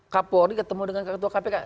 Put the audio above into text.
kapolri ketemu dengan ketua kpk